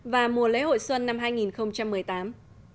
và mùa lễ hội xuân năm hai nghìn một mươi tám